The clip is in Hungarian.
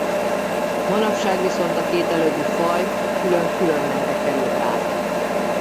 Manapság viszont a két előbbi faj külön-külön nembe került át.